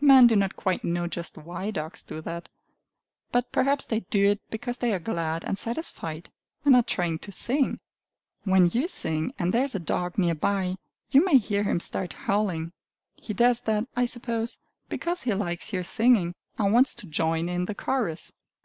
Men do not quite know just why dogs do that. But perhaps they do it because they are glad and satisfied, and are trying to sing! When you sing, and there is a dog near by, you may hear him start howling. He does that, I suppose, because he likes your singing, and wants to join in the chorus!